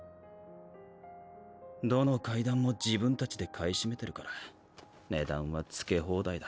どの階段も自分たちで買い占めてるから値段は付け放題だ。